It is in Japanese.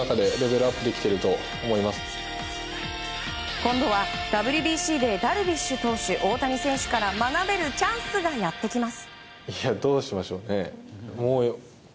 今度はＷＢＣでダルビッシュ投手、大谷選手から学べるチャンスがやってきます。